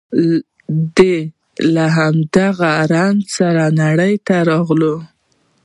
دی له همدغه رنځ سره نړۍ ته راغلی